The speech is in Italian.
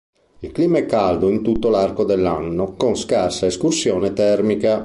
Il clima è caldo in tutto l'arco dell'anno, con scarsa escursione termica.